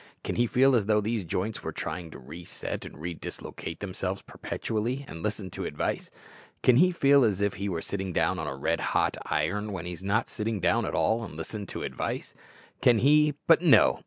Can he feel as though these joints were trying to re set and re dislocate themselves perpetually, and listen to advice? Can he feel as if he were sitting down on red hot iron, when he's not sitting down at all, and listen to advice? Can he but no!